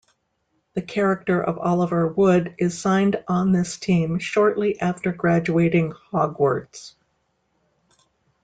The character of Oliver Wood is signed on this team shortly after graduating Hogwarts.